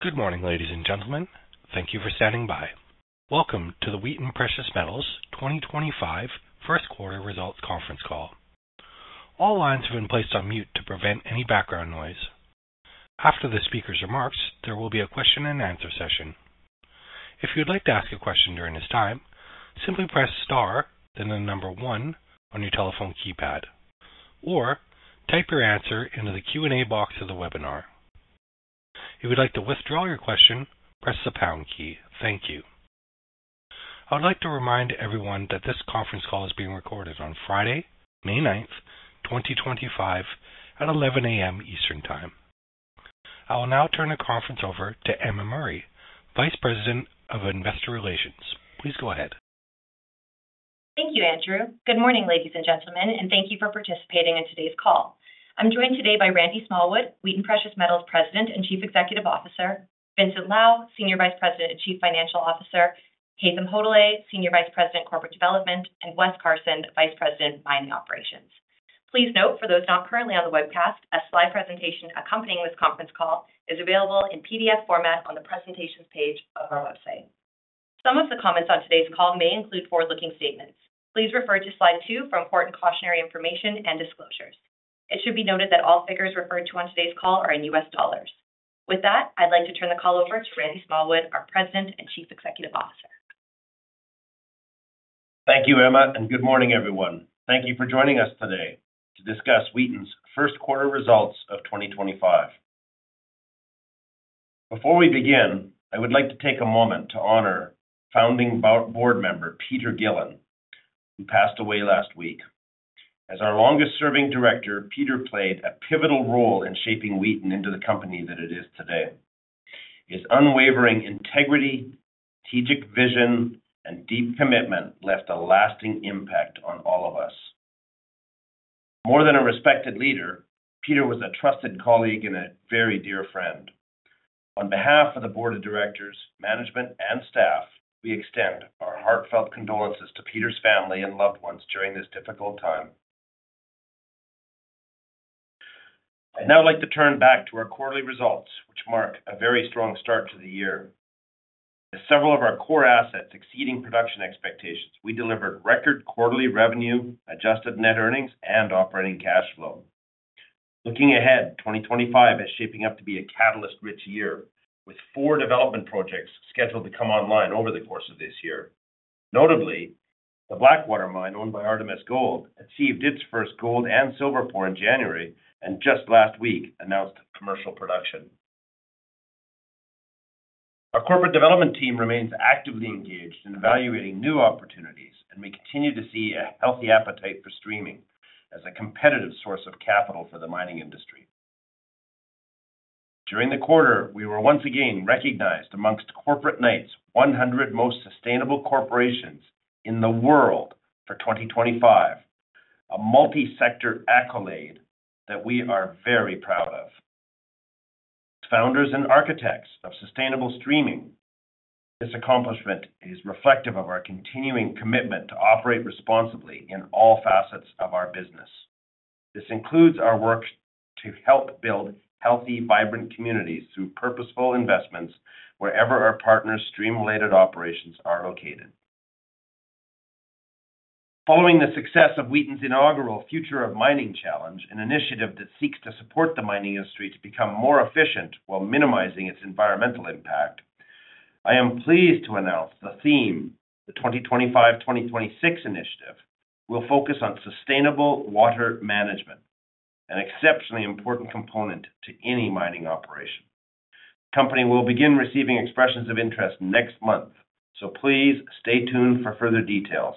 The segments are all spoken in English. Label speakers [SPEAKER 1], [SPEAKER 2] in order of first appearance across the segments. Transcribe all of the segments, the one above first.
[SPEAKER 1] Good morning, ladies and gentlemen. Thank you for standing by. Welcome to the Wheaton Precious Metals 2025 first quarter results conference call. All lines have been placed on mute to prevent any background noise. After the speaker's remarks, there will be a question-and-answer session. If you'd like to ask a question during this time, simply press star, then the number one on your telephone keypad, or type your answer into the Q&A box of the webinar. If you'd like to withdraw your question, press the pound key. Thank you. I would like to remind everyone that this conference call is being recorded on Friday, May 9th, 2025, at 11:00 A.M. Eastern Time. I will now turn the conference over to Emma Murray, Vice President of Investor Relations. Please go ahead.
[SPEAKER 2] Thank you, Andrew. Good morning, ladies and gentlemen, and thank you for participating in today's call. I'm joined today by Randy Smallwood, Wheaton Precious Metals President and Chief Executive Officer, Vincent Lau, Senior Vice President and Chief Financial Officer, Haytham Hodalay, Senior Vice President, Corporate Development, and Wes Carson, Vice President, Mining Operations. Please note, for those not currently on the webcast, a slide presentation accompanying this conference call is available in PDF format on the presentations page of our website. Some of the comments on today's call may include forward-looking statements. Please refer to slide two for important cautionary information and disclosures. It should be noted that all figures referred to on today's call are in U.S. dollars. With that, I'd like to turn the call over to Randy Smallwood, our President and Chief Executive Officer.
[SPEAKER 3] Thank you, Emma, and good morning, everyone. Thank you for joining us today to discuss Wheaton's first quarter results of 2025. Before we begin, I would like to take a moment to honor founding board member Peter Gillan, who passed away last week. As our longest-serving director, Peter played a pivotal role in shaping Wheaton into the company that it is today. His unwavering integrity, strategic vision, and deep commitment left a lasting impact on all of us. More than a respected leader, Peter was a trusted colleague and a very dear friend. On behalf of the board of directors, management, and staff, we extend our heartfelt condolences to Peter's family and loved ones during this difficult time. I'd now like to turn back to our quarterly results, which mark a very strong start to the year. As several of our core assets exceeding production expectations, we delivered record quarterly revenue, adjusted net earnings, and operating cash flow. Looking ahead, 2025 is shaping up to be a catalyst-rich year, with four development projects scheduled to come online over the course of this year. Notably, the Blackwater mine, owned by Artemis Gold, achieved its first gold and silver pour in January and just last week announced commercial production. Our corporate development team remains actively engaged in evaluating new opportunities, and we continue to see a healthy appetite for streaming as a competitive source of capital for the mining industry. During the quarter, we were once again recognized amongst Corporate Knights' 100 most sustainable corporations in the world for 2025, a multi-sector accolade that we are very proud of. As founders and architects of sustainable streaming, this accomplishment is reflective of our continuing commitment to operate responsibly in all facets of our business. This includes our work to help build healthy, vibrant communities through purposeful investments wherever our partners' stream-related operations are located. Following the success of Wheaton's inaugural Future of Mining Challenge, an initiative that seeks to support the mining industry to become more efficient while minimizing its environmental impact, I am pleased to announce the theme, the 2025 to 2026 initiative, will focus on sustainable water management, an exceptionally important component to any mining operation. The company will begin receiving expressions of interest next month, so please stay tuned for further details.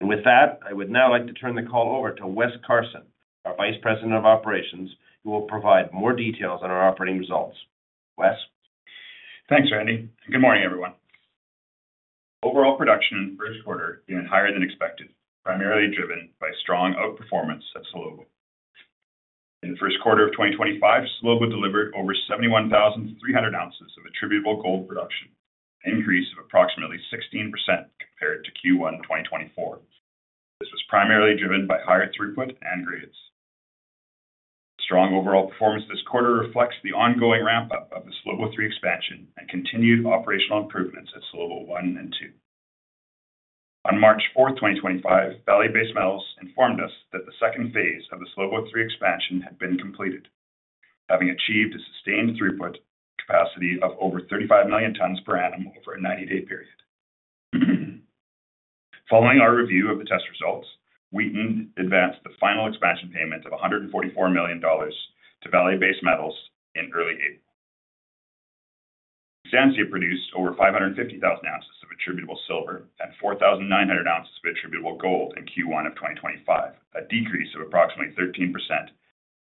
[SPEAKER 3] I would now like to turn the call over to Wes Carson, our Vice President of Operations, who will provide more details on our operating results. Wes.
[SPEAKER 4] Thanks, Randy. Good morning, everyone. Overall production in the first quarter came in higher than expected, primarily driven by strong outperformance of Salobo. In the first quarter of 2025, Salobo delivered over 71,300 ounces of attributable gold production, an increase of approximately 16% compared to Q1 2024. This was primarily driven by higher throughput and grades. Strong overall performance this quarter reflects the ongoing ramp-up of the Salobo 3 expansion and continued operational improvements at Salobo 1 and 2. On March 4th, 2025, Vale Base Metals informed us that the second phase of the Salobo 3 expansion had been completed, having achieved a sustained throughput capacity of over 35 million tons per annum over a 90-day period. Following our review of the test results, Wheaton advanced the final expansion payment of 144 million dollars to Vale Base Metals in early April. Exsansia produced over 550,000 ounces of attributable silver and 4,900 ounces of attributable gold in Q1 of 2025, a decrease of approximately 13%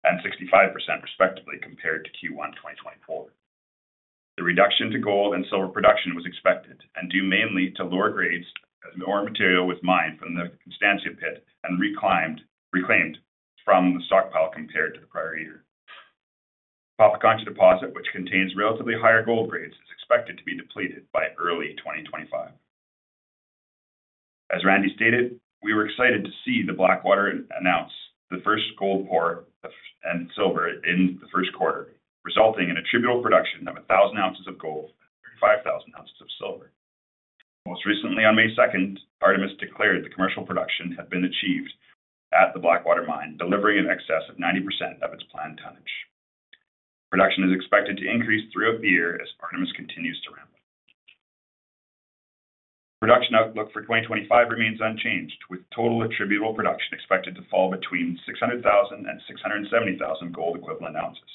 [SPEAKER 4] and 65%, respectively, compared to Q1 2024. The reduction to gold and silver production was expected and due mainly to lower grades as more material was mined from the Exsansia pit and reclaimed from the stockpile compared to the prior year. Popacontia Deposit, which contains relatively higher gold grades, is expected to be depleted by early 2025. As Randy stated, we were excited to see the Blackwater announce the first gold pour and silver in the first quarter, resulting in attributable production of 1,000 ounces of gold and 35,000 ounces of silver. Most recently, on May 2, Artemis declared the commercial production had been achieved at the Blackwater mine, delivering in excess of 90% of its planned tonnage. Production is expected to increase throughout the year as Artemis continues to ramp up. Production outlook for 2025 remains unchanged, with total attributable production expected to fall between 600,000 and 670,000 gold-equivalent ounces.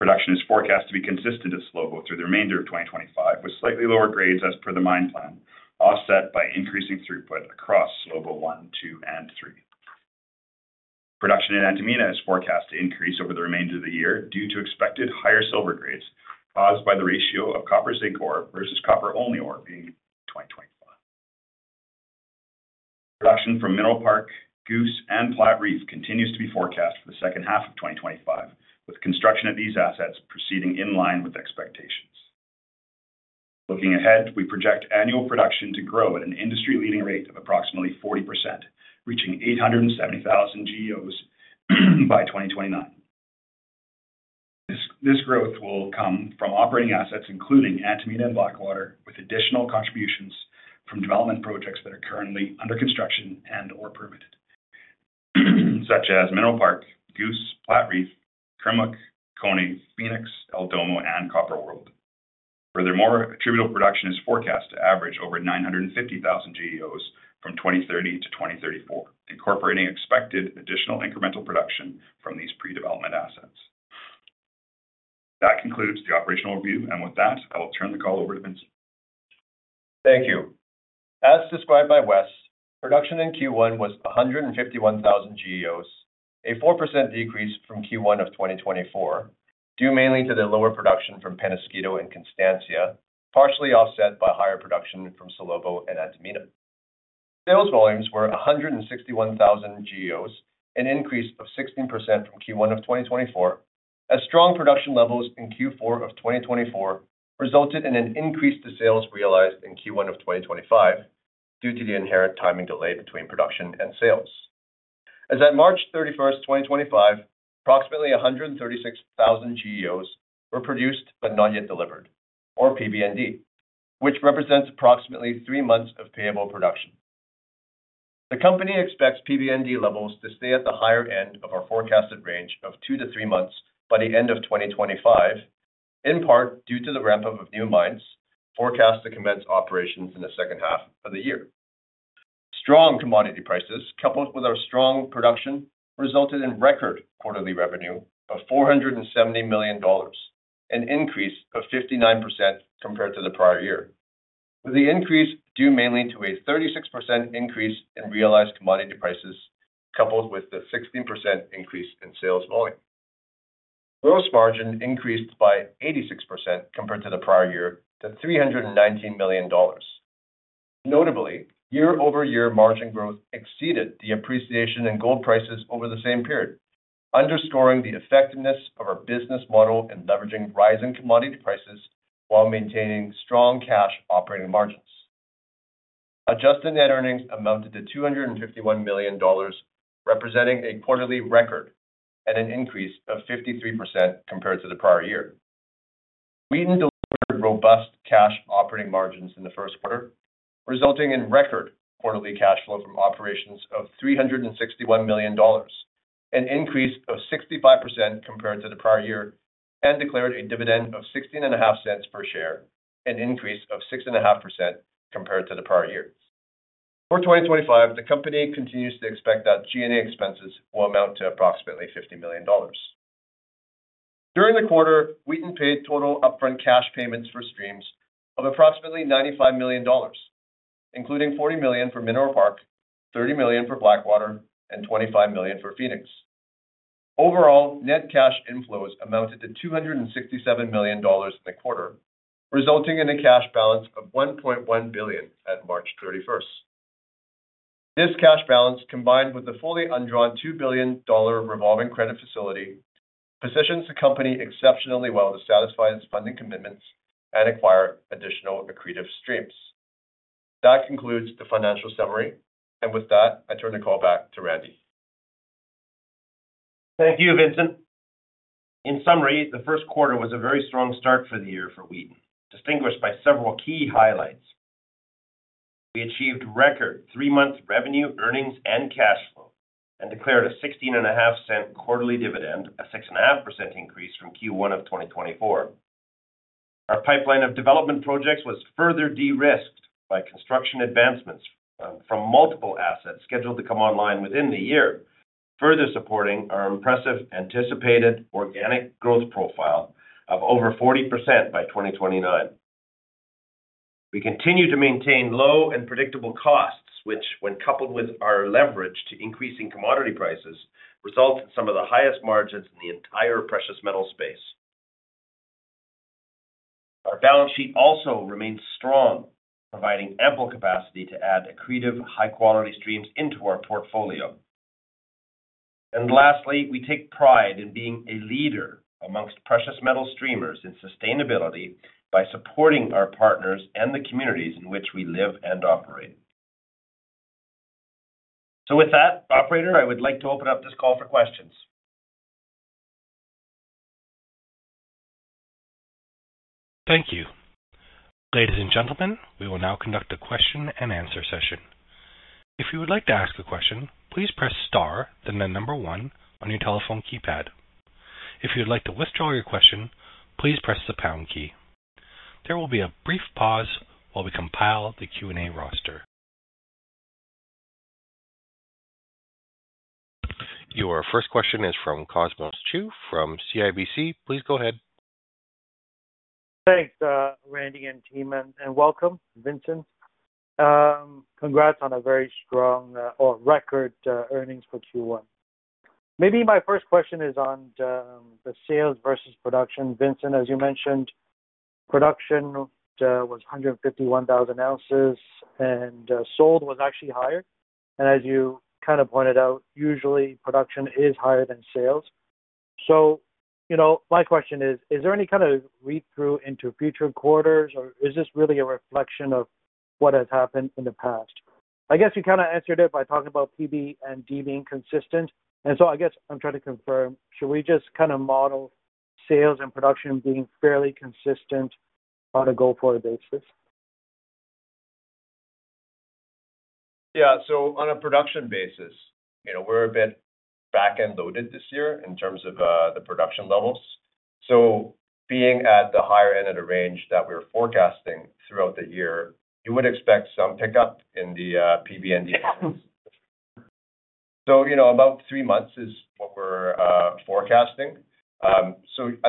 [SPEAKER 4] Production is forecast to be consistent at Salobo through the remainder of 2025, with slightly lower grades as per the mine plan, offset by increasing throughput across Salobo 1, 2, and 3. Production at Antamina is forecast to increase over the remainder of the year due to expected higher silver grades caused by the ratio of copper zinc ore versus copper-only ore being 2025. Production from Mineral Park, Goose, and Platreef continues to be forecast for the second half of 2025, with construction at these assets proceeding in line with expectations. Looking ahead, we project annual production to grow at an industry-leading rate of approximately 40%, reaching 870,000 GEOs by 2029. This growth will come from operating assets, including Antamina and Blackwater, with additional contributions from development projects that are currently under construction and/or permitted, such as Mineral Park, Goose, Platreef, Kudz Ze Kayah, Koné, Phoenix, El Domo, and Copper World. Furthermore, attributable production is forecast to average over 950,000 GEOs from 2030 to 2034, incorporating expected additional incremental production from these pre-development assets. That concludes the operational review, and with that, I will turn the call over to Vincent.
[SPEAKER 5] Thank you. As described by Wes, production in Q1 was 151,000 GEOs, a 4% decrease from Q1 of 2024, due mainly to the lower production from Peñasquito and Constancia, partially offset by higher production from Salobo and Antamina. Sales volumes were 161,000 GEOs, an increase of 16% from Q1 of 2024, as strong production levels in Q4 of 2024 resulted in an increase to sales realized in Q1 of 2025 due to the inherent timing delay between production and sales. As of March 31st, 2025, approximately 136,000 GEOs were produced but not yet delivered, or PBND, which represents approximately three months of payable production. The company expects PBND levels to stay at the higher end of our forecasted range of two to three months by the end of 2025, in part due to the ramp-up of new mines forecast to commence operations in the second half of the year. Strong commodity prices, coupled with our strong production, resulted in record quarterly revenue of 470 million dollars, an increase of 59% compared to the prior year, with the increase due mainly to a 36% increase in realized commodity prices, coupled with the 16% increase in sales volume. Gross margin increased by 86% compared to the prior year to 319 million dollars. Notably, year-over-year margin growth exceeded the appreciation in gold prices over the same period, underscoring the effectiveness of our business model in leveraging rising commodity prices while maintaining strong cash operating margins. Adjusted net earnings amounted to 251 million dollars, representing a quarterly record and an increase of 53% compared to the prior year. Wheaton delivered robust cash operating margins in the first quarter, resulting in record quarterly cash flow from operations of 361 million dollars, an increase of 65% compared to the prior year, and declared a dividend of 0.165 per share, an increase of 6.5% compared to the prior year. For 2025, the company continues to expect that G&A expenses will amount to approximately 50 million dollars. During the quarter, Wheaton paid total upfront cash payments for streams of approximately 95 million dollars, including 40 million for Mineral Park, 30 million for Blackwater, and 25 million for Phoenix. Overall, net cash inflows amounted to 267 million dollars in the quarter, resulting in a cash balance of 1.1 billion at March 31st. This cash balance, combined with the fully undrawn 2 billion dollar revolving credit facility, positions the company exceptionally well to satisfy its funding commitments and acquire additional accretive streams. That concludes the financial summary, and with that, I turn the call back to Randy.
[SPEAKER 3] Thank you, Vincent. In summary, the first quarter was a very strong start for the year for Wheaton, distinguished by several key highlights. We achieved record three-month revenue, earnings, and cash flow, and declared a 0.165 quarterly dividend, a 6.5% increase from Q1 of 2024. Our pipeline of development projects was further de-risked by construction advancements from multiple assets scheduled to come online within the year, further supporting our impressive anticipated organic growth profile of over 40% by 2029. We continue to maintain low and predictable costs, which, when coupled with our leverage to increasing commodity prices, results in some of the highest margins in the entire precious metal space. Our balance sheet also remains strong, providing ample capacity to add accretive, high-quality streams into our portfolio. Lastly, we take pride in being a leader amongst precious metal streamers in sustainability by supporting our partners and the communities in which we live and operate. With that, Operator, I would like to open up this call for questions.
[SPEAKER 1] Thank you. Ladies and gentlemen, we will now conduct a question-and-answer session. If you would like to ask a question, please press star, then the number one on your telephone keypad. If you'd like to withdraw your question, please press the pound key. There will be a brief pause while we compile the Q&A roster. Your first question is from Cosmos Chiu from CIBC. Please go ahead.
[SPEAKER 6] Thanks, Randy and team, and welcome, Vincent. Congrats on a very strong or record earnings for Q1. Maybe my first question is on the sales versus production. Vincent, as you mentioned, production was 151,000 ounces, and sold was actually higher. As you kind of pointed out, usually production is higher than sales. My question is, is there any kind of read-through into future quarters, or is this really a reflection of what has happened in the past? I guess you kind of answered it by talking about PBND being consistent. I guess I am trying to confirm, should we just kind of model sales and production being fairly consistent on a go-forward basis?
[SPEAKER 5] Yeah. On a production basis, we're a bit back-end loaded this year in terms of the production levels. Being at the higher end of the range that we're forecasting throughout the year, you would expect some pickup in the PBND levels. About three months is what we're forecasting. I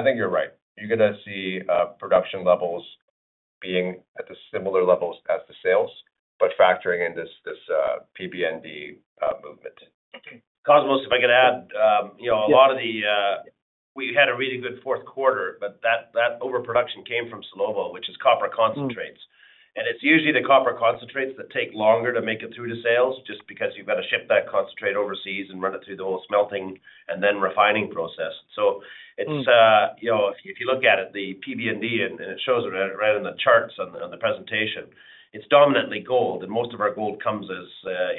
[SPEAKER 5] think you're right. You're going to see production levels being at the similar levels as the sales, but factoring in this PBND movement.
[SPEAKER 3] Cosmos, if I could add, a lot of the, we had a really good fourth quarter, but that overproduction came from Salobo, which is copper concentrates. It is usually the copper concentrates that take longer to make it through to sales just because you have to ship that concentrate overseas and run it through the whole smelting and then refining process. If you look at it, the PBND, and it shows right in the charts on the presentation, it is dominantly gold, and most of our gold comes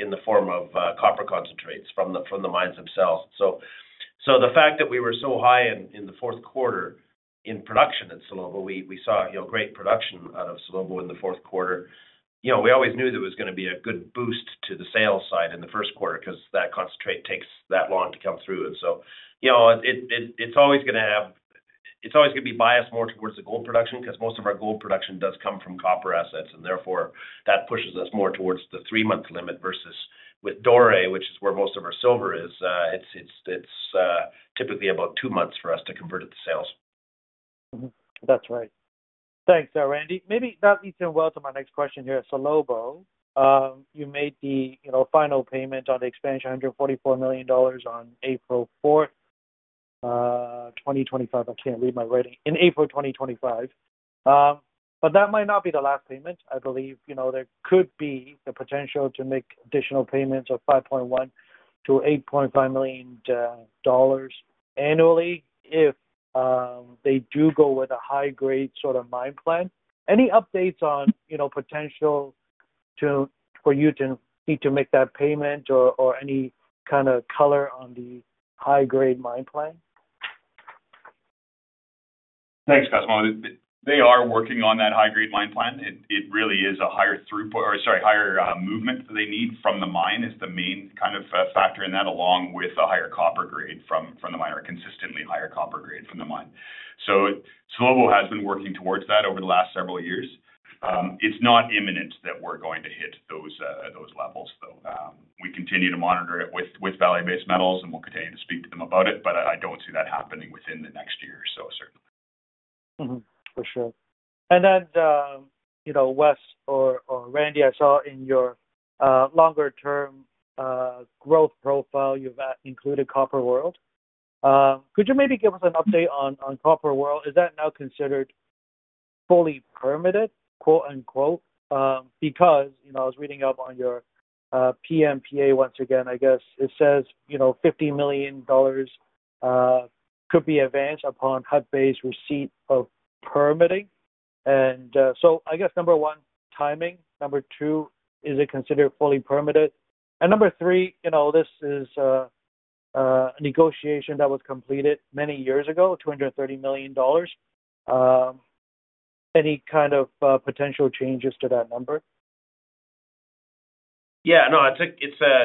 [SPEAKER 3] in the form of copper concentrates from the mines themselves. The fact that we were so high in the fourth quarter in production at Salobo, we saw great production out of Salobo in the fourth quarter. We always knew there was going to be a good boost to the sales side in the first quarter because that concentrate takes that long to come through. It is always going to be biased more towards the gold production because most of our gold production does come from copper assets, and therefore that pushes us more towards the three-month limit versus with Doré, which is where most of our silver is. It is typically about two months for us to convert it to sales.
[SPEAKER 6] That's right. Thanks, Randy. Maybe that leads in well to my next question here. Salobo, you made the final payment on the expansion, 144 million dollars on April 4th, 2025. I can't read my writing. In April 2025. That might not be the last payment. I believe there could be the potential to make additional payments of 5.1 million to 8.5 million dollars annually if they do go with a high-grade sort of mine plan. Any updates on potential for you to need to make that payment or any kind of color on the high-grade mine plan?
[SPEAKER 4] Thanks, Cosmos. They are working on that high-grade mine plan. It really is a higher throughput or, sorry, higher movement that they need from the mine is the main kind of factor in that, along with a higher copper grade from the mine, or consistently higher copper grade from the mine. So Salobo has been working towards that over the last several years. It is not imminent that we are going to hit those levels, though. We continue to monitor it with Vale Base Metals, and we will continue to speak to them about it, but I do not see that happening within the next year, certainly.
[SPEAKER 6] For sure. Wes or Randy, I saw in your longer-term growth profile, you have included Copper World. Could you maybe give us an update on Copper World? Is that now considered fully permitted, quote-unquote, because I was reading up on your PMPA once again, I guess it says 50 million dollars could be advanced upon Hudbay's receipt of permitting. I guess, number one, timing. Number two, is it considered fully permitted? Number three, this is a negotiation that was completed many years ago, 230 million dollars. Any kind of potential changes to that number?
[SPEAKER 3] Yeah. No,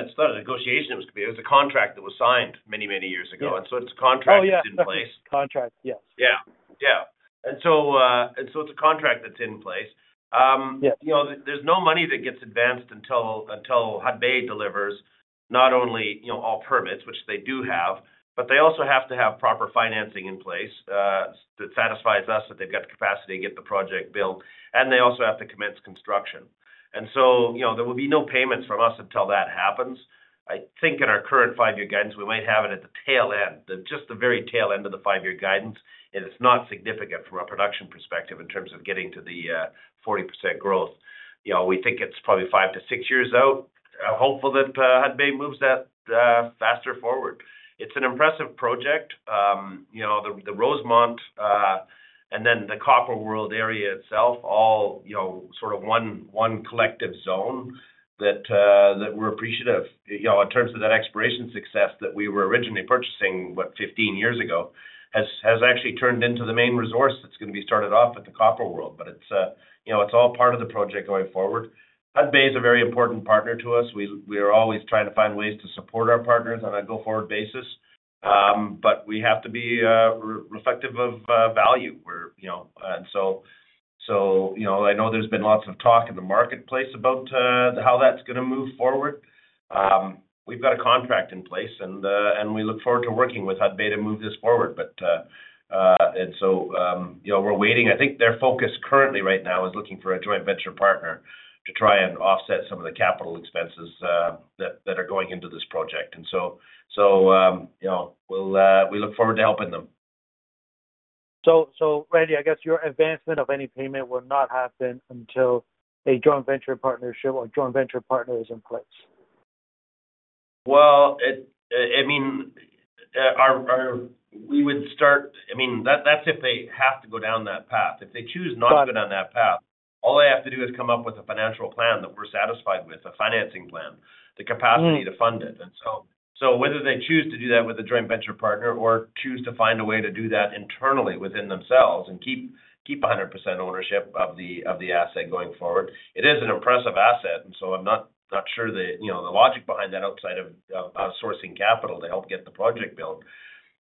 [SPEAKER 3] it's not a negotiation. It was a contract that was signed many, many years ago. It's a contract that's in place.
[SPEAKER 6] Oh, yeah. Contract, yes.
[SPEAKER 3] Yeah. Yeah. It is a contract that is in place. There is no money that gets advanced until Hudbay delivers not only all permits, which they do have, but they also have to have proper financing in place that satisfies us that they have the capacity to get the project built, and they also have to commence construction. There will be no payments from us until that happens. I think in our current five-year guidance, we might have it at the tail end, just the very tail end of the five-year guidance, and it is not significant from a production perspective in terms of getting to the 40% growth. We think it is probably five to six years out. I am hopeful that Hudbay moves that faster forward. It is an impressive project. The Rosemont and then the Copper World area itself, all sort of one collective zone that we're appreciative in terms of that exploration success that we were originally purchasing, what, 15 years ago, has actually turned into the main resource that's going to be started off at the Copper World. It is all part of the project going forward. Hudbay is a very important partner to us. We are always trying to find ways to support our partners on a go-forward basis, but we have to be reflective of value. I know there has been lots of talk in the marketplace about how that is going to move forward. We have got a contract in place, and we look forward to working with Hudbay to move this forward. We are waiting. I think their focus currently right now is looking for a joint venture partner to try and offset some of the capital expenses that are going into this project. We look forward to helping them.
[SPEAKER 6] Randy, I guess your advancement of any payment will not happen until a joint venture partnership or joint venture partner is in place.
[SPEAKER 3] I mean, we would start, I mean, that's if they have to go down that path. If they choose not to go down that path, all they have to do is come up with a financial plan that we're satisfied with, a financing plan, the capacity to fund it. Whether they choose to do that with a joint venture partner or choose to find a way to do that internally within themselves and keep 100% ownership of the asset going forward, it is an impressive asset. I'm not sure the logic behind that outside of sourcing capital to help get the project built.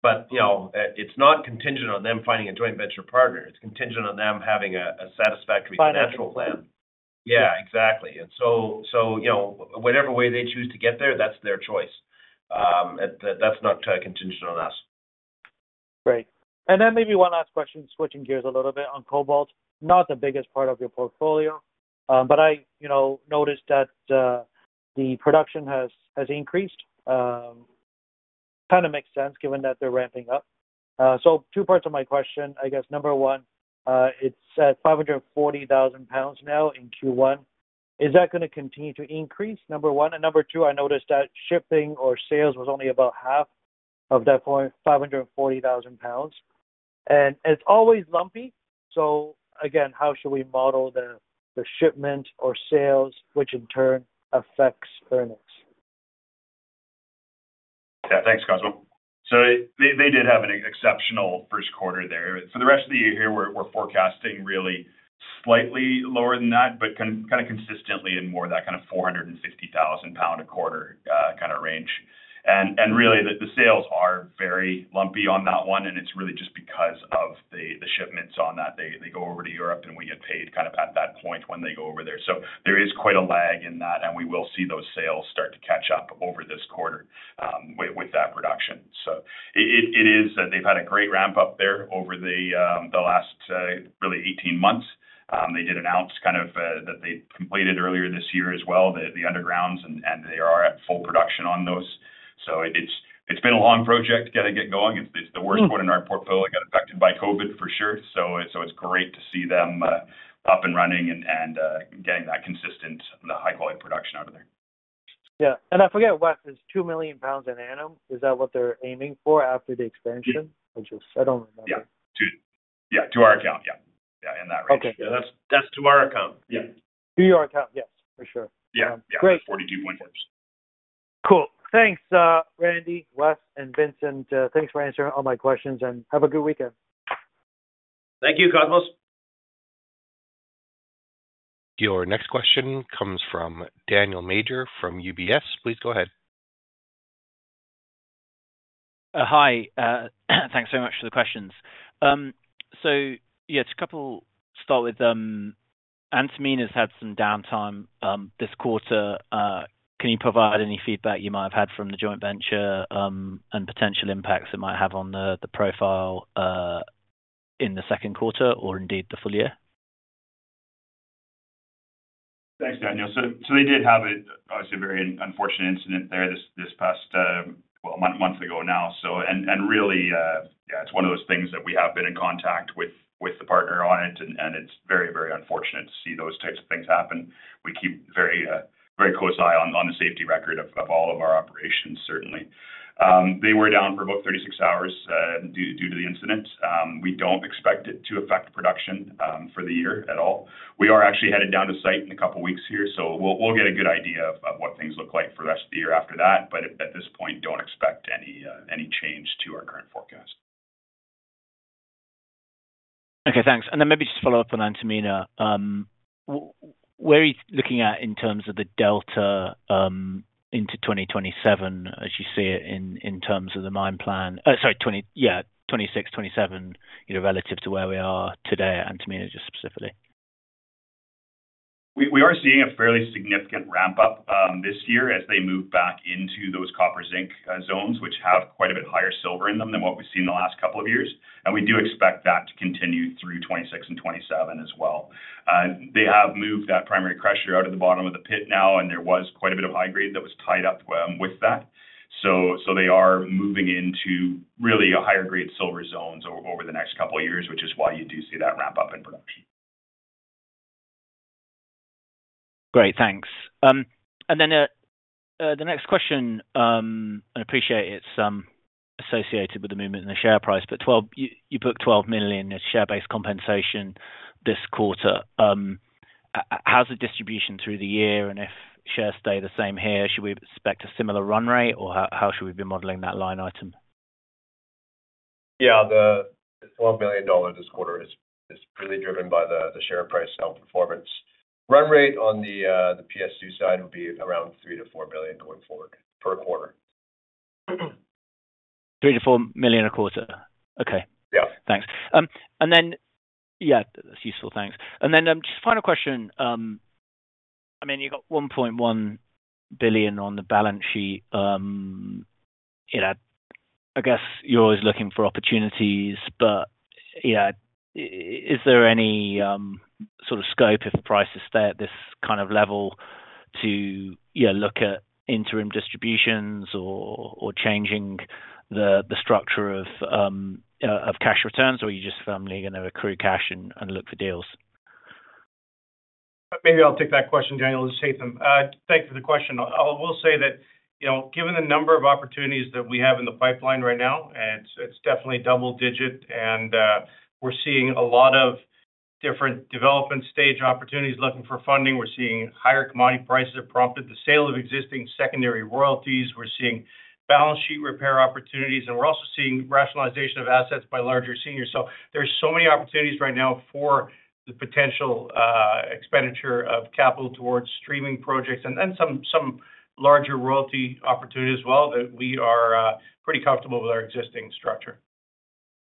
[SPEAKER 3] It is not contingent on them finding a joint venture partner. It is contingent on them having a satisfactory financial plan.
[SPEAKER 6] Financing.
[SPEAKER 3] Yeah, exactly. Whatever way they choose to get there, that's their choice. That's not contingent on us.
[SPEAKER 6] Great. Maybe one last question, switching gears a little bit on cobalt, not the biggest part of your portfolio, but I noticed that the production has increased. Kind of makes sense given that they're ramping up. Two parts to my question. Number one, it's at CAD 540,000 now in Q1. Is that going to continue to increase, number one? Number two, I noticed that shipping or sales was only about half of that CAD 540,000. It's always lumpy. How should we model the shipment or sales, which in turn affects earnings?
[SPEAKER 4] Yeah. Thanks, Cosmos. They did have an exceptional first quarter there. For the rest of the year here, we're forecasting really slightly lower than that, but kind of consistently in more that kind of CAD 450,000 a quarter kind of range. Really, the sales are very lumpy on that one, and it's really just because of the shipments on that. They go over to Europe, and we get paid kind of at that point when they go over there. There is quite a lag in that, and we will see those sales start to catch up over this quarter with that production. It is that they've had a great ramp-up there over the last really 18 months. They did announce kind of that they completed earlier this year as well, the undergrounds, and they are at full production on those. It's been a long project to get it going. It's the worst quarter in our portfolio got affected by COVID, for sure. It's great to see them up and running and getting that consistent, the high-quality production out of there.
[SPEAKER 6] Yeah. I forget, Wes, is CAD 2 million an annum? Is that what they're aiming for after the expansion? I don't remember.
[SPEAKER 3] Yeah. Yeah. To our account, yeah. In that range.
[SPEAKER 4] Okay. That's to our account. Yeah.
[SPEAKER 6] To your account, yes, for sure.
[SPEAKER 4] Yeah. Yeah. 42.4%.
[SPEAKER 6] Cool. Thanks, Randy, Wes, and Vincent. Thanks for answering all my questions, and have a good weekend.
[SPEAKER 4] Thank you, Cosmos.
[SPEAKER 1] Your next question comes from Daniel Major from UBS. Please go ahead.
[SPEAKER 7] Hi. Thanks so much for the questions. So yeah, to start with, Antamina has had some downtime this quarter. Can you provide any feedback you might have had from the joint venture and potential impacts it might have on the profile in the second quarter or indeed the full year?
[SPEAKER 4] Thanks, Daniel. They did have a very unfortunate incident there this past, months ago now. Really, yeah, it is one of those things that we have been in contact with the partner on, and it is very, very unfortunate to see those types of things happen. We keep a very close eye on the safety record of all of our operations, certainly. They were down for about 36 hours due to the incident. We do not expect it to affect production for the year at all. We are actually headed down to site in a couple of weeks here, so we will get a good idea of what things look like for the rest of the year after that. At this point, do not expect any change to our current forecast.
[SPEAKER 7] Okay. Thanks. Maybe just follow up on Antamina. Where are you looking at in terms of the delta into 2027 as you see it in terms of the mine plan? Sorry, yeah, 2026, 2027 relative to where we are today at Antamina just specifically.
[SPEAKER 4] We are seeing a fairly significant ramp-up this year as they move back into those copper-zinc zones, which have quite a bit higher silver in them than what we've seen the last couple of years. We do expect that to continue through 2026 and 2027 as well. They have moved that primary crusher out of the bottom of the pit now, and there was quite a bit of high-grade that was tied up with that. They are moving into really higher-grade silver zones over the next couple of years, which is why you do see that ramp-up in production.
[SPEAKER 7] Great. Thanks. The next question, I appreciate it's associated with the movement in the share price, but you booked 12 million as share-based compensation this quarter. How's the distribution through the year? If shares stay the same here, should we expect a similar run rate, or how should we be modeling that line item?
[SPEAKER 4] Yeah. The 12 million dollars this quarter is really driven by the share price outperformance. Run rate on the PSU side would be around 3 million to 4 million going forward per quarter.
[SPEAKER 7] 3 to 4 million a quarter. Okay. Thanks. Yeah, that's useful. Thanks. Just final question. I mean, you've got 1.1 billion on the balance sheet. I guess you're always looking for opportunities, but is there any sort of scope, if the price is set at this kind of level, to look at interim distributions or changing the structure of cash returns, or are you just firmly going to accrue cash and look for deals?
[SPEAKER 5] Maybe I'll take that question, Daniel. I'll just take them. Thanks for the question. I will say that given the number of opportunities that we have in the pipeline right now, it's definitely double-digit, and we're seeing a lot of different development stage opportunities looking for funding. We're seeing higher commodity prices that prompted the sale of existing secondary royalties. We're seeing balance sheet repair opportunities, and we're also seeing rationalization of assets by larger seniors. There are so many opportunities right now for the potential expenditure of capital towards streaming projects and then some larger royalty opportunities as well that we are pretty comfortable with our existing structure.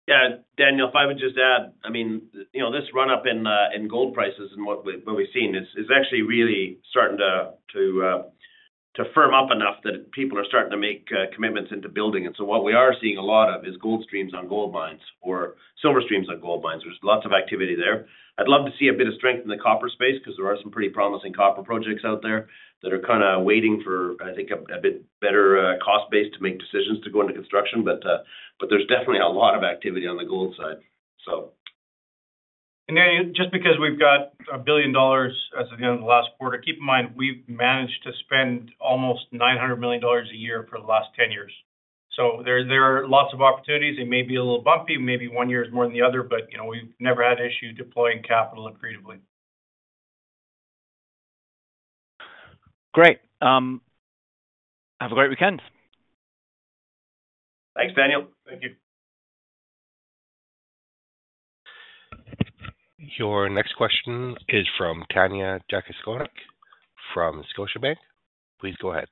[SPEAKER 3] Yeah. Daniel, if I would just add, I mean, this run-up in gold prices and what we've seen is actually really starting to firm up enough that people are starting to make commitments into building. What we are seeing a lot of is gold streams on gold mines or silver streams on gold mines. There is lots of activity there. I'd love to see a bit of strength in the copper space because there are some pretty promising copper projects out there that are kind of waiting for, I think, a bit better cost base to make decisions to go into construction. There is definitely a lot of activity on the gold side.
[SPEAKER 5] Just because we have got 1 billion dollars at the end of the last quarter, keep in mind we have managed to spend almost 900 million dollars a year for the last 10 years. There are lots of opportunities. They may be a little bumpy. Maybe one year is more than the other, but we have never had an issue deploying capital accretively.
[SPEAKER 7] Great. Have a great weekend.
[SPEAKER 3] Thanks, Daniel.
[SPEAKER 5] Thank you.
[SPEAKER 1] Your next question is from Tanya Jakaskonic from Scotiabank. Please go ahead.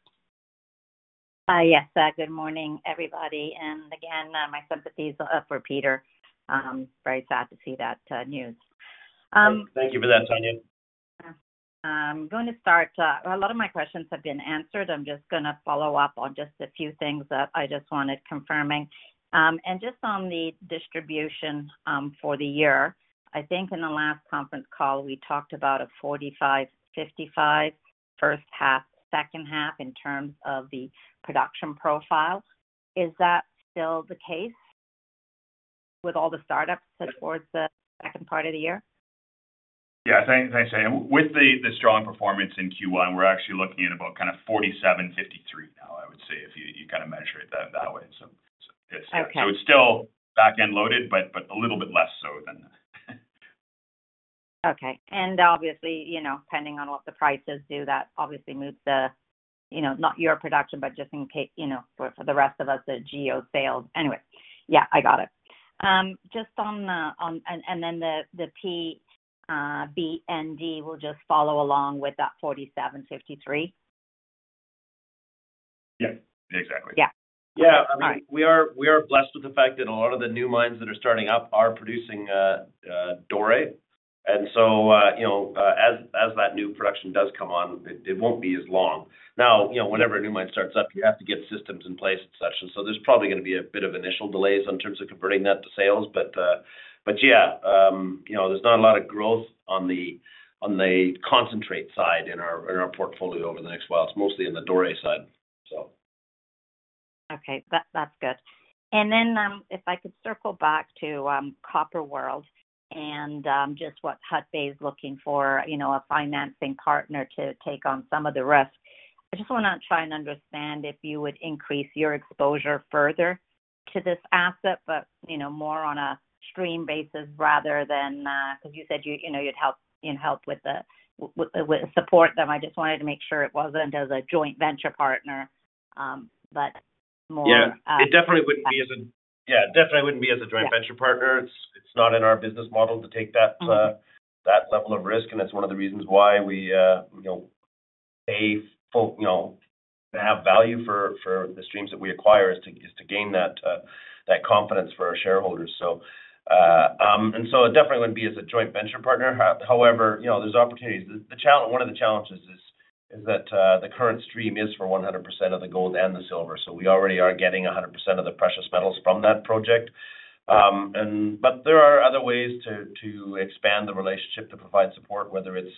[SPEAKER 8] Hi. Yes. Good morning, everybody. My sympathies are up for Peter. Very sad to see that news.
[SPEAKER 3] Thank you for that, Tanya.
[SPEAKER 8] I'm going to start. A lot of my questions have been answered. I'm just going to follow up on just a few things that I just wanted confirming. Just on the distribution for the year, I think in the last conference call, we talked about a 45/55 first half, second half in terms of the production profile. Is that still the case with all the startups towards the second part of the year?
[SPEAKER 4] Yeah. Thanks, Tanya. With the strong performance in Q1, we're actually looking at about kind of 47/53 now, I would say, if you kind of measure it that way. It is still back-end loaded, but a little bit less so than that.
[SPEAKER 8] Okay. Obviously, depending on what the prices do, that obviously moves not your production, but just in case for the rest of us, the GEO sales. Anyway, yeah, I got it. Just on the and then the PBND will just follow along with that 47/53?
[SPEAKER 4] Yeah. Exactly.
[SPEAKER 8] Yeah.
[SPEAKER 3] Yeah. I mean, we are blessed with the fact that a lot of the new mines that are starting up are producing doré. And as that new production does come on, it won't be as long. Now, whenever a new mine starts up, you have to get systems in place, etc. There is probably going to be a bit of initial delays in terms of converting that to sales. Yeah, there is not a lot of growth on the concentrate side in our portfolio over the next while. It is mostly in the doré side, so.
[SPEAKER 8] Okay. That's good. If I could circle back to Copper World and just what Hudbay is looking for, a financing partner to take on some of the risk. I just want to try and understand if you would increase your exposure further to this asset, but more on a stream basis rather than because you said you'd help with the support them. I just wanted to make sure it wasn't as a joint venture partner, but more.
[SPEAKER 3] Yeah. It definitely wouldn't be as a joint venture partner. It's not in our business model to take that level of risk. It's one of the reasons why we have value for the streams that we acquire is to gain that confidence for our shareholders. It definitely wouldn't be as a joint venture partner. However, there's opportunities. One of the challenges is that the current stream is for 100% of the gold and the silver. We already are getting 100% of the precious metals from that project. There are other ways to expand the relationship to provide support, whether it's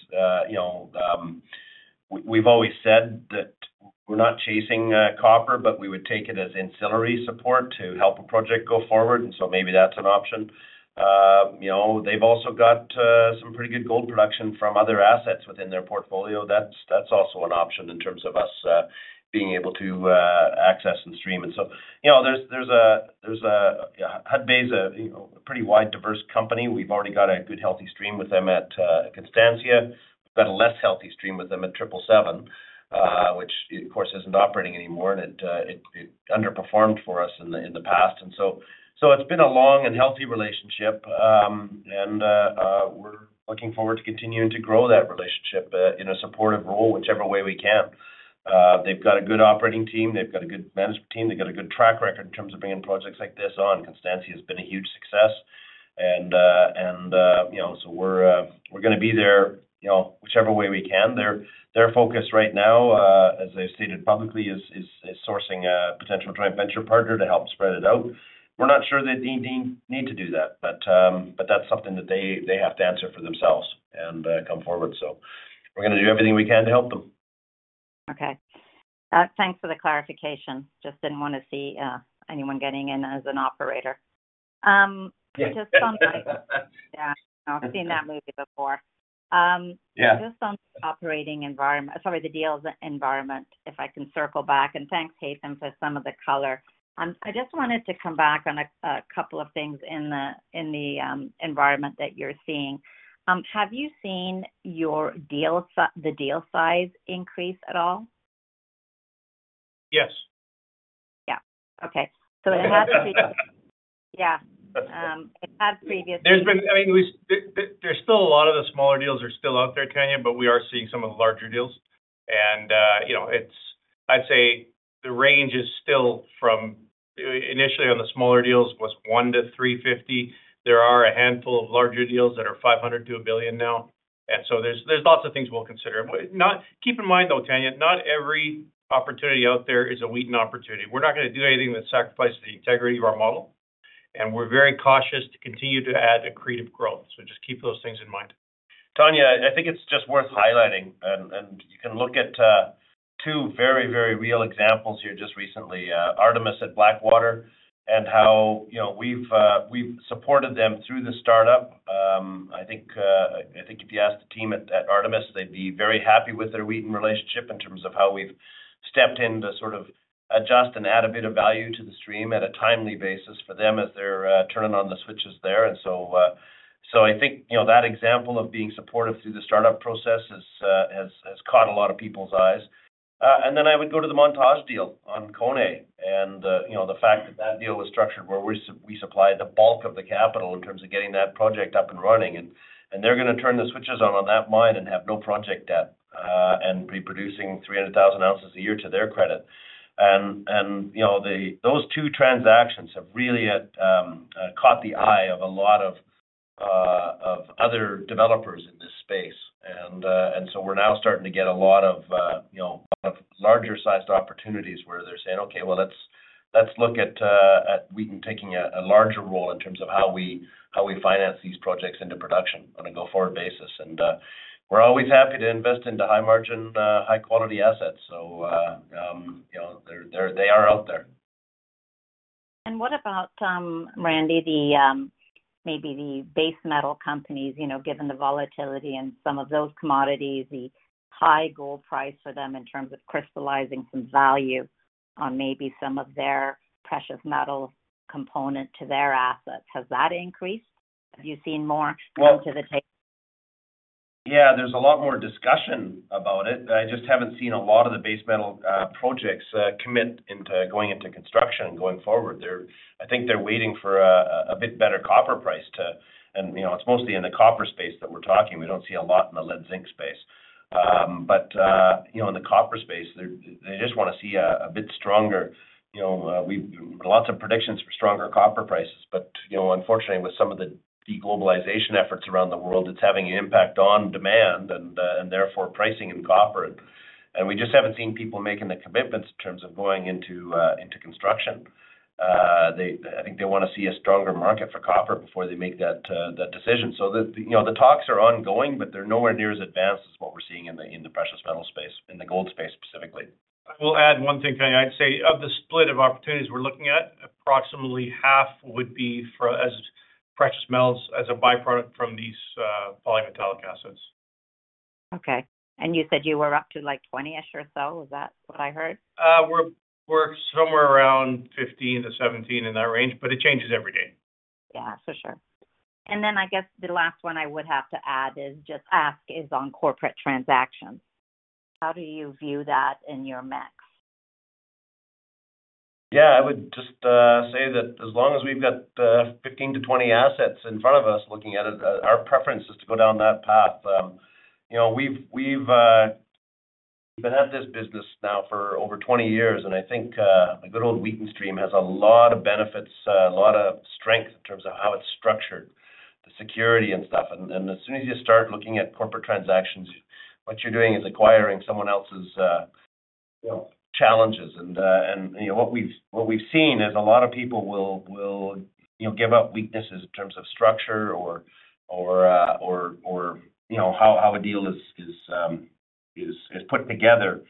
[SPEAKER 3] we've always said that we're not chasing copper, but we would take it as ancillary support to help a project go forward. Maybe that's an option. They've also got some pretty good gold production from other assets within their portfolio. That's also an option in terms of us being able to access and stream. Hudbay is a pretty wide, diverse company. We've already got a good, healthy stream with them at Constancia. We've got a less healthy stream with them at 777, which, of course, isn't operating anymore, and it underperformed for us in the past. It's been a long and healthy relationship, and we're looking forward to continuing to grow that relationship in a supportive role, whichever way we can. They've got a good operating team. They've got a good management team. They've got a good track record in terms of bringing projects like this on. Constancia has been a huge success. We're going to be there whichever way we can. Their focus right now, as they've stated publicly, is sourcing a potential joint venture partner to help spread it out. We're not sure they need to do that, but that's something that they have to answer for themselves and come forward. We are going to do everything we can to help them.
[SPEAKER 8] Okay. Thanks for the clarification. Just did not want to see anyone getting in as an operator. Yeah. I have seen that movie before. Just on the operating environment, sorry, the deals environment, if I can circle back. Thanks, Haytham, for some of the color. I just wanted to come back on a couple of things in the environment that you are seeing. Have you seen the deal size increase at all?
[SPEAKER 3] Yes.
[SPEAKER 8] Yeah. Okay. It has previously.
[SPEAKER 3] I mean, there's still a lot of the smaller deals are still out there, Tanya, but we are seeing some of the larger deals. I'd say the range is still from initially on the smaller deals was 1 million-350 million. There are a handful of larger deals that are 500 million to 1 billion now. There's lots of things we'll consider. Keep in mind, though, Tanya, not every opportunity out there is a Wheaton opportunity. We're not going to do anything that sacrifices the integrity of our model. We're very cautious to continue to add accretive growth. Just keep those things in mind. Tanya, I think it's just worth highlighting. You can look at two very, very real examples here just recently, Artemis at Blackwater, and how we've supported them through the startup. I think if you ask the team at Artemis, they'd be very happy with their Wheaton relationship in terms of how we've stepped in to sort of adjust and add a bit of value to the stream at a timely basis for them as they're turning on the switches there. I think that example of being supportive through the startup process has caught a lot of people's eyes. I would go to the Montage deal on Koné, and the fact that that deal was structured where we supplied the bulk of the capital in terms of getting that project up and running. They are going to turn the switches on on that mine and have no project debt and be producing 300,000 ounces a year to their credit. Those two transactions have really caught the eye of a lot of other developers in this space. We are now starting to get a lot of larger-sized opportunities where they are saying, "Okay, well, let's look at Wheaton taking a larger role in terms of how we finance these projects into production on a go-forward basis." We are always happy to invest into high-margin, high-quality assets. They are out there.
[SPEAKER 8] What about, Randy, maybe the base metal companies, given the volatility in some of those commodities, the high gold price for them in terms of crystallizing some value on maybe some of their precious metal component to their assets? Has that increased? Have you seen more going to the table?
[SPEAKER 3] Yeah. There's a lot more discussion about it. I just haven't seen a lot of the base metal projects commit into going into construction going forward. I think they're waiting for a bit better copper price too and it's mostly in the copper space that we're talking. We don't see a lot in the lead-zinc space. In the copper space, they just want to see a bit stronger. We've had lots of predictions for stronger copper prices. Unfortunately, with some of the deglobalization efforts around the world, it's having an impact on demand and therefore pricing in copper. We just haven't seen people making the commitments in terms of going into construction. I think they want to see a stronger market for copper before they make that decision. The talks are ongoing, but they're nowhere near as advanced as what we're seeing in the precious metal space, in the gold space specifically.
[SPEAKER 5] I will add one thing, Tanya. I'd say of the split of opportunities we're looking at, approximately half would be as precious metals as a byproduct from these polymetallic assets.
[SPEAKER 8] Okay. You said you were up to like 20-ish or so? Is that what I heard?
[SPEAKER 5] We're somewhere around 15 to 17 in that range, but it changes every day.
[SPEAKER 8] Yeah. For sure. I guess the last one I would have to add is just ask is on corporate transactions. How do you view that in your mix?
[SPEAKER 3] Yeah. I would just say that as long as we've got 15 to 20 assets in front of us looking at it, our preference is to go down that path. We've been at this business now for over 20 years. I think a good old Wheaton stream has a lot of benefits, a lot of strength in terms of how it's structured, the security and stuff. As soon as you start looking at corporate transactions, what you're doing is acquiring someone else's challenges. What we've seen is a lot of people will give up weaknesses in terms of structure or how a deal is put together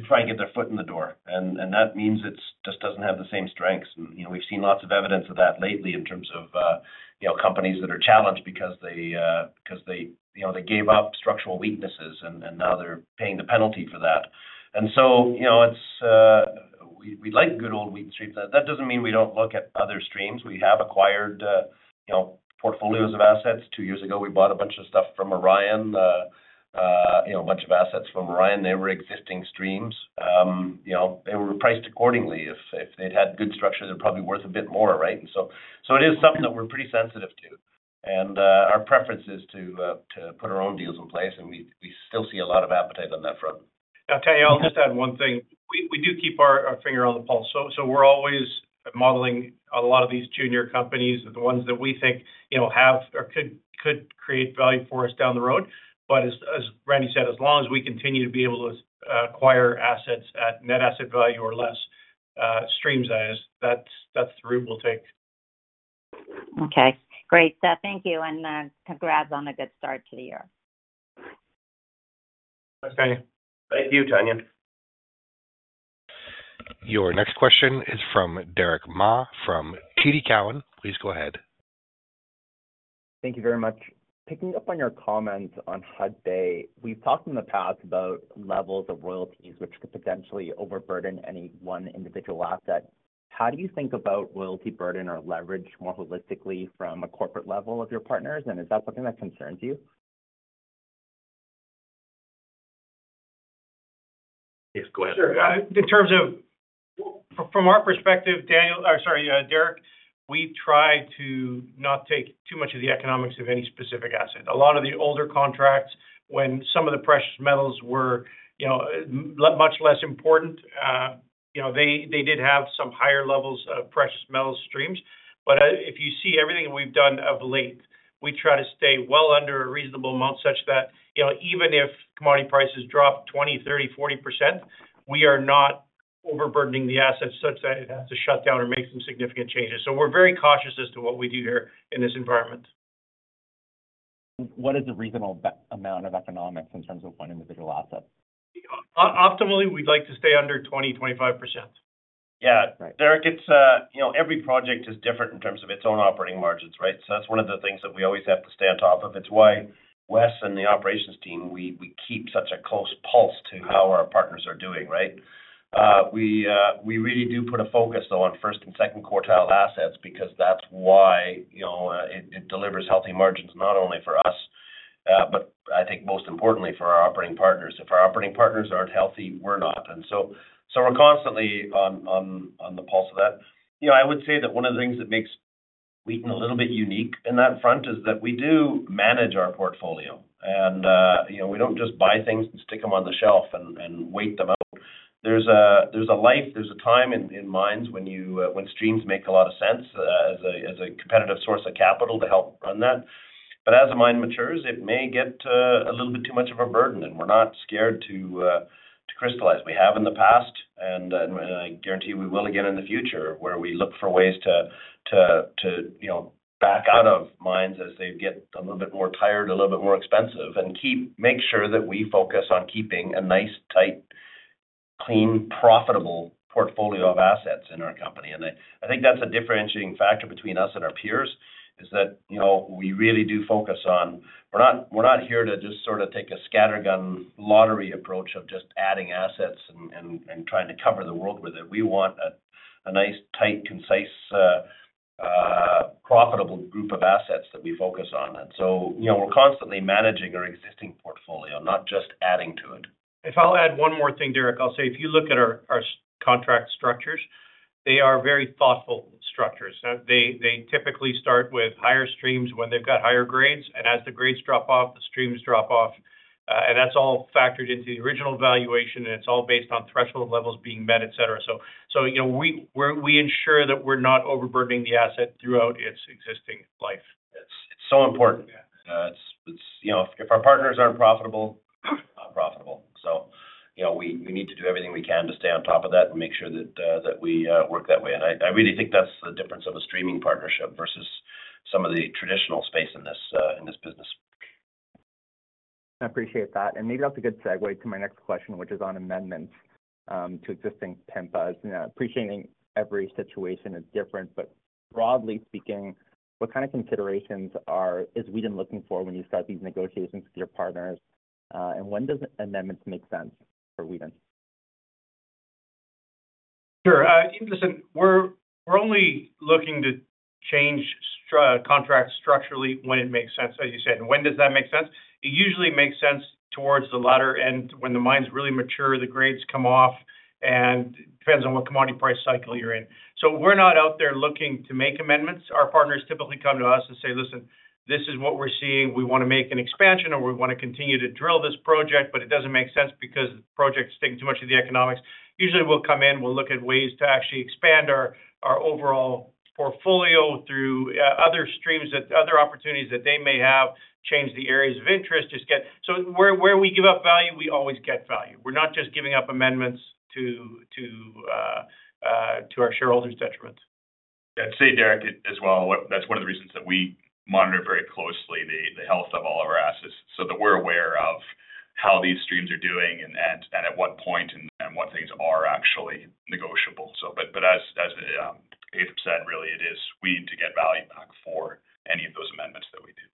[SPEAKER 3] to try and get their foot in the door. That means it just does not have the same strengths. We have seen lots of evidence of that lately in terms of companies that are challenged because they gave up structural weaknesses, and now they are paying the penalty for that. We like good old Wheaton streams. That does not mean we do not look at other streams. We have acquired portfolios of assets. Two years ago, we bought a bunch of stuff from Orion, a bunch of assets from Orion. They were existing streams. They were priced accordingly. If they had good structure, they are probably worth a bit more, right? It is something that we are pretty sensitive to. Our preference is to put our own deals in place. We still see a lot of appetite on that front.
[SPEAKER 5] Yeah. Tanya, I'll just add one thing. We do keep our finger on the pulse. So we're always modeling a lot of these junior companies with the ones that we think could create value for us down the road. As Randy said, as long as we continue to be able to acquire assets at net asset value or less, streams that is, that's the route we'll take.
[SPEAKER 8] Okay. Great. Thank you. Congrats on a good start to the year.
[SPEAKER 4] Thanks, Tanya.
[SPEAKER 3] Thank you, Tanya.
[SPEAKER 1] Your next question is from Derek Ma from TD Cowen. Please go ahead.
[SPEAKER 9] Thank you very much. Picking up on your comment on Hudbay, we've talked in the past about levels of royalties, which could potentially overburden any one individual asset. How do you think about royalty burden or leverage more holistically from a corporate level of your partners? Is that something that concerns you?
[SPEAKER 3] Yes. Go ahead.
[SPEAKER 4] Sure. In terms of from our perspective, Daniel or sorry, Derek, we try to not take too much of the economics of any specific asset. A lot of the older contracts, when some of the precious metals were much less important, they did have some higher levels of precious metals streams. If you see everything we've done of late, we try to stay well under a reasonable amount such that even if commodity prices drop 20%, 30%, 40%, we are not overburdening the assets such that it has to shut down or make some significant changes. We are very cautious as to what we do here in this environment.
[SPEAKER 9] What is a reasonable amount of economics in terms of one individual asset?
[SPEAKER 4] Optimally, we'd like to stay under 20 to 25%.
[SPEAKER 3] Yeah. Derek, every project is different in terms of its own operating margins, right? That is one of the things that we always have to stay on top of. It is why Wes and the operations team, we keep such a close pulse to how our partners are doing, right? We really do put a focus, though, on first and second quartile assets because that is why it delivers healthy margins not only for us, but I think most importantly for our operating partners. If our operating partners are not healthy, we are not. We are constantly on the pulse of that. I would say that one of the things that makes Wheaton a little bit unique in that front is that we do manage our portfolio. We do not just buy things and stick them on the shelf and wait them out. There's a life, there's a time in mines when streams make a lot of sense as a competitive source of capital to help run that. As a mine matures, it may get a little bit too much of a burden. We're not scared to crystallize. We have in the past, and I guarantee we will again in the future, where we look for ways to back out of mines as they get a little bit more tired, a little bit more expensive, and make sure that we focus on keeping a nice, tight, clean, profitable portfolio of assets in our company. I think that's a differentiating factor between us and our peers is that we really do focus on we're not here to just sort of take a scattergun lottery approach of just adding assets and trying to cover the world with it. We want a nice, tight, concise, profitable group of assets that we focus on. We are constantly managing our existing portfolio, not just adding to it. If I'll add one more thing, Derek, I'll say if you look at our contract structures, they are very thoughtful structures. They typically start with higher streams when they've got higher grades. As the grades drop off, the streams drop off. That's all factored into the original valuation. It's all based on threshold levels being met, etc. We ensure that we're not overburdening the asset throughout its existing life.
[SPEAKER 4] It's so important. If our partners aren't profitable, we're not profitable. We need to do everything we can to stay on top of that and make sure that we work that way. I really think that's the difference of a streaming partnership versus some of the traditional space in this business.
[SPEAKER 9] I appreciate that. Maybe that's a good segue to my next question, which is on amendments to existing PIMPAs. Appreciating every situation is different. Broadly speaking, what kind of considerations is Wheaton looking for when you start these negotiations with your partners? When does amendments make sense for Wheaton?
[SPEAKER 3] Sure. Listen, we're only looking to change contracts structurally when it makes sense, as you said. When does that make sense? It usually makes sense towards the latter end when the mines really mature, the grades come off, and it depends on what commodity price cycle you're in. We're not out there looking to make amendments. Our partners typically come to us and say, "Listen, this is what we're seeing. We want to make an expansion, or we want to continue to drill this project, but it doesn't make sense because the project's taking too much of the economics." Usually, we'll come in, we'll look at ways to actually expand our overall portfolio through other streams that other opportunities that they may have, change the areas of interest. Where we give up value, we always get value. We're not just giving up amendments to our shareholders' detriment.
[SPEAKER 4] I'd say, Derek, as well, that's one of the reasons that we monitor very closely the health of all of our assets so that we're aware of how these streams are doing and at what point and what things are actually negotiable. As Avery said, really, it is we need to get value back for any of those amendments that we do.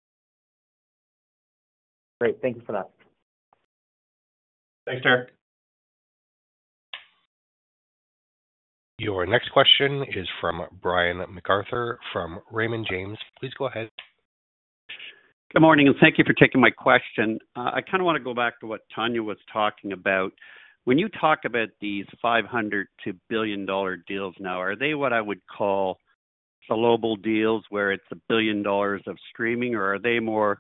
[SPEAKER 9] Great. Thank you for that.
[SPEAKER 4] Thanks, Derek.
[SPEAKER 1] Your next question is from Brian McArthur from Raymond James. Please go ahead.
[SPEAKER 10] Good morning. Thank you for taking my question. I kind of want to go back to what Tanya was talking about. When you talk about these 500 million to billion deals now, are they what I would call global deals where it is a billion dollars of streaming, or are they more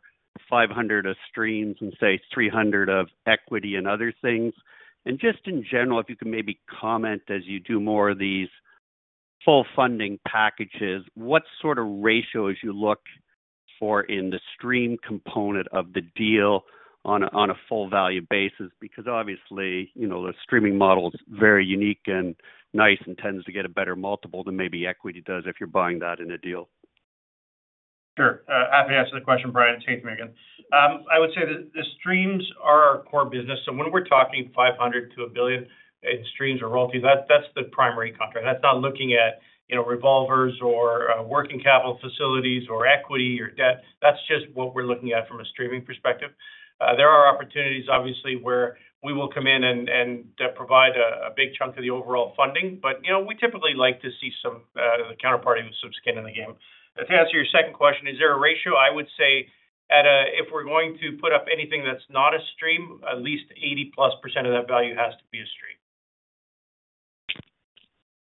[SPEAKER 10] 500 million of streams and say 300 million of equity and other things? In general, if you could maybe comment as you do more of these full funding packages, what sort of ratios you look for in the stream component of the deal on a full value basis? Obviously, the streaming model is very unique and nice and tends to get a better multiple than maybe equity does if you are buying that in a deal.
[SPEAKER 3] Sure. Happy to answer the question, Brian. It's Haytham again. I would say that the streams are our core business. When we're talking 500 million to 1 billion in streams or royalties, that's the primary contract. That's not looking at revolvers or working capital facilities or equity or debt. That's just what we're looking at from a streaming perspective. There are opportunities, obviously, where we will come in and provide a big chunk of the overall funding. We typically like to see the counterparty with some skin in the game. To answer your second question, is there a ratio? I would say if we're going to put up anything that's not a stream, at least 80% plus of that value has to be a stream.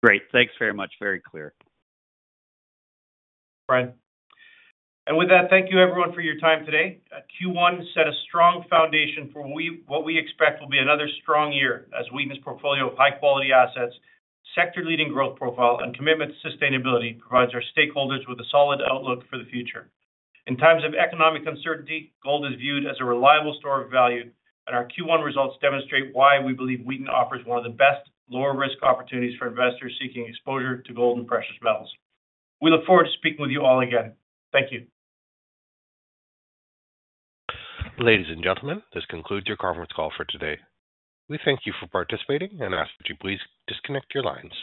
[SPEAKER 10] Great. Thanks very much. Very clear.
[SPEAKER 3] Brian. Thank you, everyone, for your time today. Q1 set a strong foundation for what we expect will be another strong year as Wheaton's portfolio of high-quality assets, sector-leading growth profile, and commitment to sustainability provides our stakeholders with a solid outlook for the future. In times of economic uncertainty, gold is viewed as a reliable store of value. Our Q1 results demonstrate why we believe Wheaton offers one of the best lower-risk opportunities for investors seeking exposure to gold and precious metals. We look forward to speaking with you all again. Thank you.
[SPEAKER 1] Ladies and gentlemen, this concludes your conference call for today. We thank you for participating and ask that you please disconnect your lines.